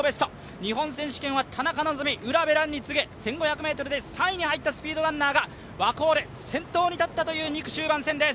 日本選手権は田中希実、卜部蘭に次ぎ１５００ｍで３位に入ったスピードランナーが先頭に立ったという２区の集団です。